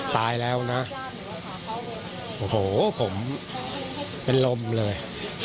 ตายแล้วนะโอ้โหผมเป็นลมเลย